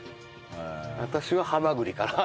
私はハマグリかな。